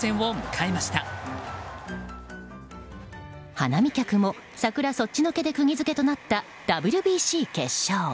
花見客も桜そっちのけで釘付けとなったＷＢＣ決勝。